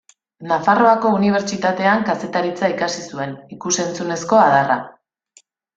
Nafarroako Unibertsitatean Kazetaritza ikasi zuen, ikus-entzunezko adarra.